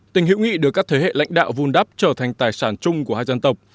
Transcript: tình hữu nghị đưa các thế hệ lãnh đạo vun đắp trở thành tài sản chung của hai dân tộc